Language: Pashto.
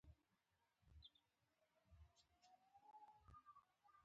نوملیکنه مې وکړه.